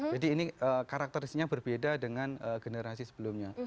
jadi ini karakteristiknya berbeda dengan generasi sebelumnya